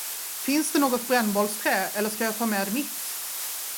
Finns det något brännbollsträ, eller ska jag ta med mitt?